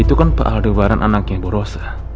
itu kan pak aldebaran anaknya borosa